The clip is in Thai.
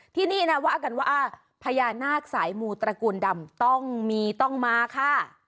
ที่นี่นะว่ากันว่าพญานาคสายมูตระกูลดำต้องมีต้องมาค่ะ